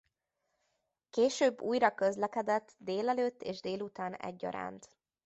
Később újra közlekedett délelőtt és délután egyaránt.